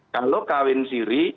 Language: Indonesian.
kalau kawin siri